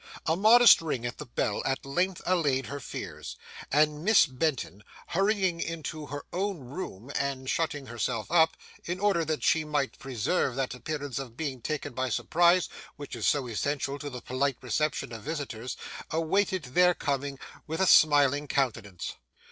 A modest ring at the bell at length allayed her fears, and Miss Benton, hurrying into her own room and shutting herself up, in order that she might preserve that appearance of being taken by surprise which is so essential to the polite reception of visitors, awaited their coming with a smiling countenance.